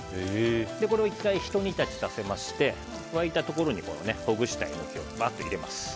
これを１回、ひと煮立ちさせて沸いたところにほぐしたエノキをバーッと入れます。